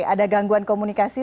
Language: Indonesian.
ada gangguan komunikasi